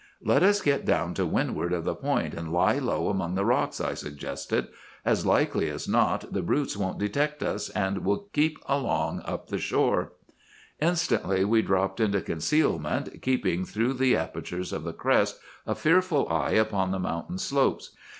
"'Let us get down to windward of the point, and lie low among the rocks,' I suggested. 'As likely as not the brutes won't detect us, and will keep along up the shore.' "Instantly we dropped into concealment, keeping, through the apertures of the crest, a fearful eye upon the mountain slopes.